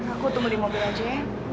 aku tunggu di mobil aja